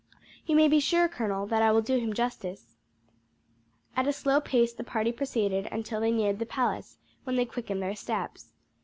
"You may be sure, colonel, that I will do him justice." At a slow pace the party proceeded until they neared the palace, when they quickened their steps.